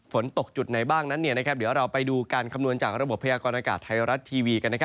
ฝนตกจุดไหนบ้างนั้นเดี๋ยวเราไปดูการคำนวณจากระบบพยากรณากาศไทยรัฐทีวีกัน